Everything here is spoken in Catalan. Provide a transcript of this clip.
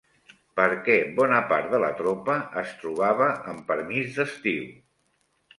Per què bona part de la tropa es trobava amb permís d'estiu?